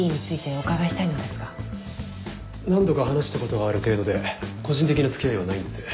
何度か話したことがある程度で個人的な付き合いはないんです。